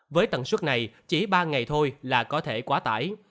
với tần suất này chỉ ba ngày thôi là có thể quá tải